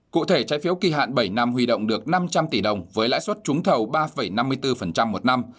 cụ thể trái phiếu kỳ hạn bảy năm huy động được năm trăm linh tỷ đồng với lãi suất trúng thầu ba năm mươi bốn một năm